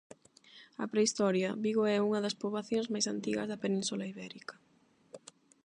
A prehistoria: Vigo é unha das poboacións máis antigas da Península Ibérica.